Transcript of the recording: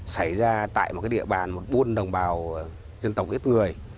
xảy ra tại một địa bàn buôn đồng bào dân tộc ít người